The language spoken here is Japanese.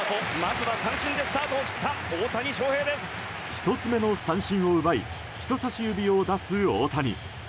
１つ目の三振を奪い人差し指を出す大谷。